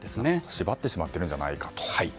縛ってしまっているんじゃないかと。